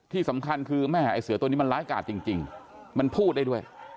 ที่สำคัญคือแม่ไอ้เสือตัวนี้มันร้ายกาดจริงมันพูดได้ด้วย